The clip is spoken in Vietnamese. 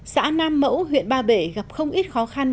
xã nam mẫu huyện ba bể gặp không ít khó khăn